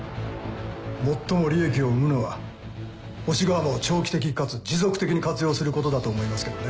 最も利益を生むのは星ヶ浜を長期的かつ持続的に活用することだと思いますけどね。